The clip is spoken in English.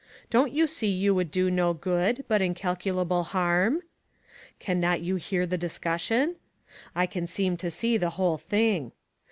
Don't you see you would do no good, but incalculable harm ?' Can not you hear the discussion ? I can seem to see the whole thing.